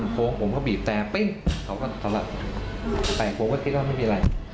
ปิ๊งเขาก็ตลอดใส่โกงก็ทิ้งแล้วไม่มีอะไร